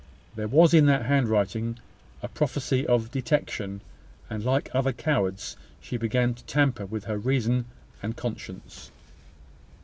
There was in that handwriting a prophecy of detection: and, like other cowards, she began to tamper with her reason and conscience.